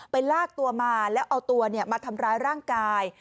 ลากตัวมาแล้วเอาตัวมาทำร้ายร่างกาย